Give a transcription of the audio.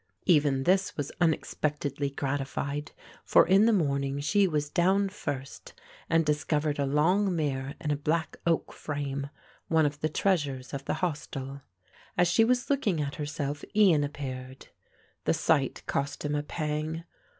Even this was unexpectedly gratified, for in the morning she was down first and discovered a long mirror in a black oak frame, one of the treasures of the hostel. As she was looking at herself Ian appeared. The sight cost him a pang.